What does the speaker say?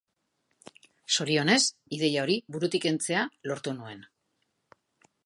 Zorionez, ideia hori burutik kentzea lortu nuen.